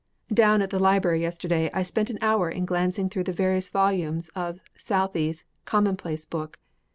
VI Down at the library yesterday afternoon I spent an hour in glancing through the various volumes of Southey's Commonplace Book.